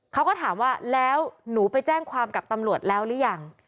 เขาก็ถามว่าแล้วหนูไปแจ้งความกับตำรวจแล้วหรือยัง